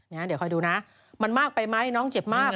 เดี๋ยวคอยดูนะมันมากไปไหมน้องเจ็บมาก